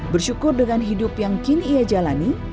bersyukur dengan hidup yang kini ia jalani